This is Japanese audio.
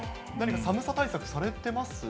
何か寒さ対策されてます？